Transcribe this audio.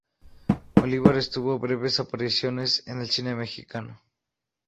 Olivares tuvo breves apariciones en el cine mexicano.